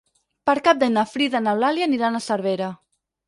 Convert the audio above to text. Per Cap d'Any na Frida i n'Eulàlia aniran a Cervera.